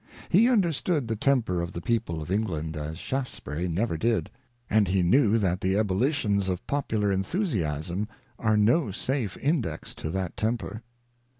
He understood the temper of the people of England as Shaftes bury never did, and he knew that the ebullitions of popular enthusiasm are no safe index to that temper.